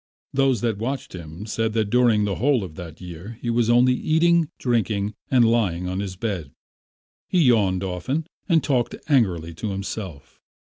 Those who watched him said that during the whole of that year he was only eating, drinking, and lying on his bed. He yawned often and talked angrily to himself.